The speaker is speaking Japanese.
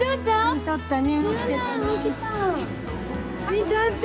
見とったん？ね！